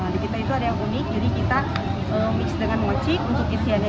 nah di kita itu ada yang unik jadi kita mix dengan mochi untuk isiannya